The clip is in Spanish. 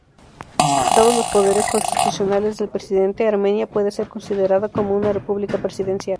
Dados los poderes constitucionales del presidente, Armenia puede ser considerada como una república presidencial.